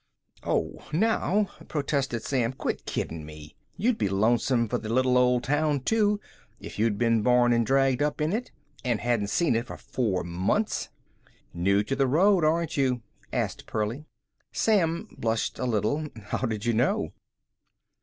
"Oh, now," protested Sam, "quit kiddin' me! You'd be lonesome for the little old town, too, if you'd been born and dragged up in it, and hadn't seen it for four months." "New to the road, aren't you?" asked Pearlie. Sam blushed a little. "How did you know?"